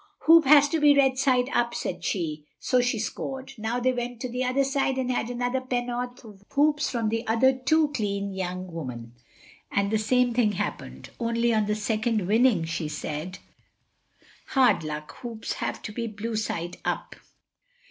"Hoop has to be red side up," said she. So she scored. Now they went to the other side and had another penn'orth of hoops from the other too clean young woman. And the same thing happened. Only on the second winning she said: "Hard luck. Hoops have to be blue side up."